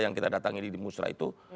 yang kita datangin di musrah itu